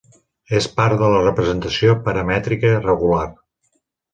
És part de la representació paramètrica regular.